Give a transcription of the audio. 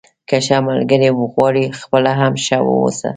که ښه ملګری غواړئ خپله هم ښه واوسه.